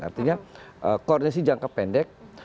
artinya koordinasi jangka pendek